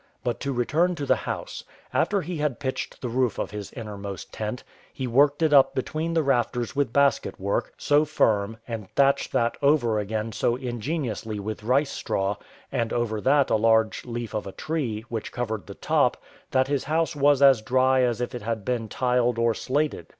But to return to the house: after he had pitched the roof of his innermost tent, he worked it up between the rafters with basket work, so firm, and thatched that over again so ingeniously with rice straw, and over that a large leaf of a tree, which covered the top, that his house was as dry as if it had been tiled or slated.